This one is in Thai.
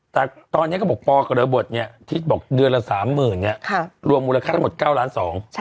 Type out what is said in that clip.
แต่ตอนนี้ก็บอกปก็เรียบบทที่บอกเดือนละ๓๐๐๐๐บาทรวมมูลค่าทั้งหมด๙๒ล้านบาท